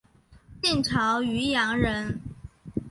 晋朝渔阳人。